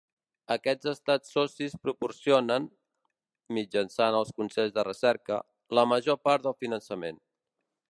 Aquests estats socis proporcionen, mitjançant els consells de recerca, la major part del finançament.